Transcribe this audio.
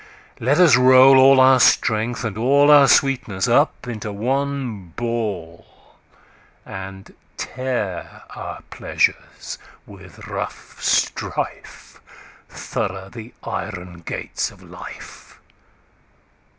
Let us roll all our Strength, and allOur sweetness, up into one Ball:And tear our Pleasures with rough strife, Thorough the Iron gates of Life.